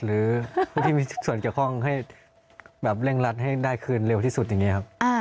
หรือผู้ที่มีส่วนเกี่ยวข้องให้แบบเร่งรัดให้ได้คืนเร็วที่สุดอย่างนี้ครับ